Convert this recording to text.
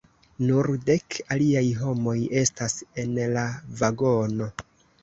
Nur dek aliaj homoj estas en la vagono.